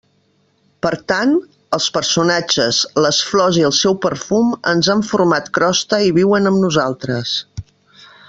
Per tant, els personatges, les flors i el seu perfum ens han format crosta i viuen amb nosaltres.